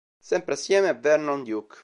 Sempre assieme a Vernon Duke.